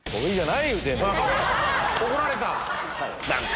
怒られた！